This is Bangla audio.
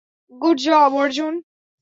Good job, Arjun.